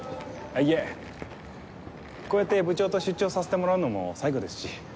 いえこうやって部長と出張させてもらうのも最後ですし。